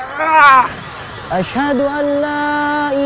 kau akan diserang kami